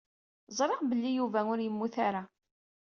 Ẓriɣ belli Yuba ur yemmut ara.